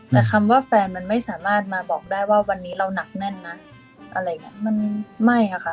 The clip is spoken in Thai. แต่คำว่าแฟนมันไม่สามารถมาบอกได้ว่าวันนี้เรานักแน่นนะมันไม่ค่ะค่ะ